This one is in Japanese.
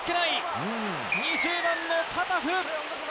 ２０番のタタフ！